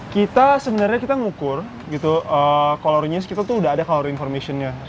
kita sebenarnya kita ngukur gitu kalorinya kita tuh udah ada kalori information nya